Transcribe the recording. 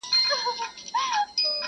په دربار کي که ولاړ ډنډه ماران وه.!